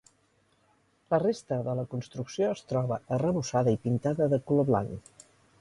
La resta de la construcció es troba arrebossada i pintada de color blanc.